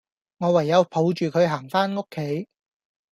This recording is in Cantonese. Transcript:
我唯有抱住佢行返屋企